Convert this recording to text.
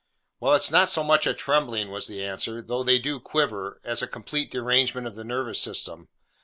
'Well, it's not so much a trembling,' was the answer—'though they do quiver—as a complete derangement of the nervous system.